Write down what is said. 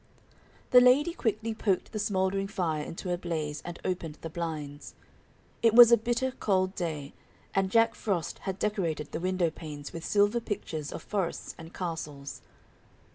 The lady quickly poked the smoldering fire into a blaze and opened the blinds. It was a bitter cold day, and Jack Frost had decorated the windowpanes with silver pictures of forests and castles.